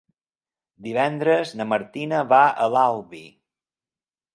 Divendres na Martina va a l'Albi.